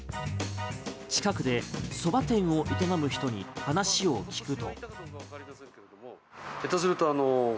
近くでそば店を営む人に話を聞くと。